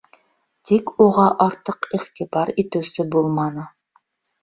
Тик уға артыҡ иғтибар итеүсе булманы.